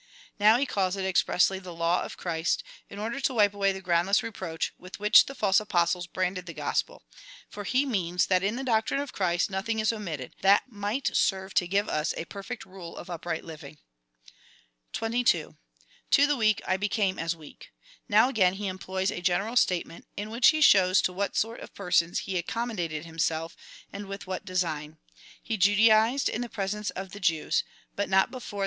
Now he calls it expressly the law of Christ, in order to wipe away the groundless reproach, with which the false apostles branded the gospel, for he means, that in the doctrine of Christ nothing is omitted, that might serve to give us a per fect rule of upright living. 22. To the weak I became as weak. Now again he em ploys a general statement, in which he shows to what sort of persons he accommodated himself, and with what design. He judaized in the presence of the Jews, but not before VOL. I. u 306 COMMENTARY ON THE CHAP. IX. 22.